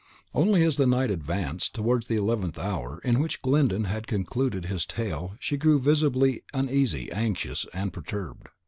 Only as the night advanced towards the eleventh hour the hour in which Glyndon had concluded his tale she grew visibly uneasy, anxious, and perturbed.